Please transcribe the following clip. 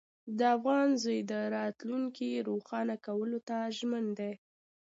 د افغان زوی د راتلونکي روښانه کولو ته ژمن دی.